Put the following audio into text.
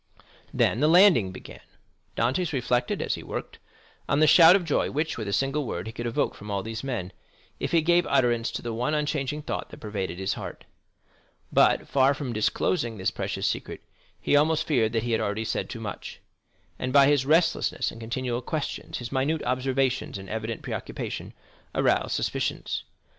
Then the landing began. Dantès reflected, as he worked, on the shout of joy which, with a single word, he could evoke from all these men, if he gave utterance to the one unchanging thought that pervaded his heart; but, far from disclosing this precious secret, he almost feared that he had already said too much, and by his restlessness and continual questions, his minute observations and evident preoccupation, aroused suspicions.